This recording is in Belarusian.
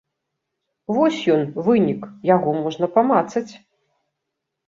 Вось ён, вынік, яго можна памацаць.